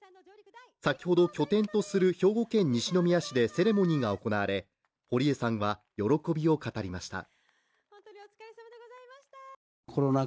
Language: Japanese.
先ほど、拠点とする兵庫県西宮市でセレモニーが行われ、堀江さんは喜びを語りました。